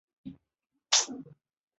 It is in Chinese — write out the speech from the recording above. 花期以夏季最盛。